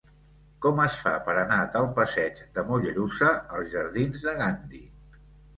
Com es fa per anar del passeig de Mollerussa als jardins de Gandhi?